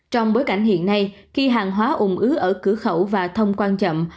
trong bối cảnh hiện nay khi hàng hóa ủng ứ ở cửa khẩu và thông quan chậm